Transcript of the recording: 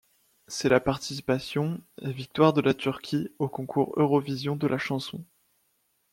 C'est la participation et victoire de la Turquie au Concours Eurovision de la chanson.